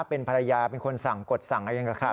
เป็นภรรยาเป็นคนกดสั่งอาเงินกับค่ะ